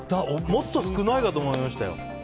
もっと少ないかと思いましたよ。